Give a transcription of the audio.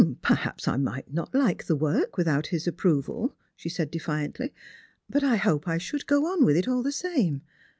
" Perhaps I might not like the work without his approval," she said defiantly ;" but I hope I should go on with it all the same.